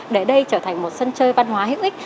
để đây trở thành một sân chơi văn hóa hữu ích